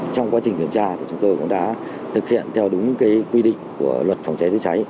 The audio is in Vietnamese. trong quá trình kiểm tra thì chúng tôi cũng đã thực hiện theo đúng quy định của luật phòng cháy chữa cháy